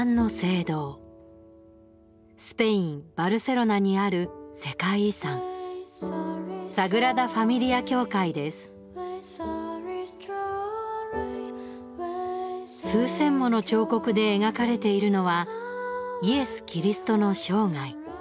スペイン・バルセロナにある世界遺産数千もの彫刻で描かれているのはイエス・キリストの生涯。